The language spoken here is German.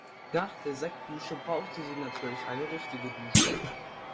Nach der Sektdusche brauchte sie natürlich eine richtige Dusche.